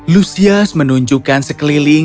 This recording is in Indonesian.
lusias menunjukkan sekeliling